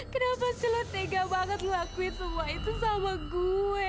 kenapa kamu sangat tegas melakukan semua itu dengan aku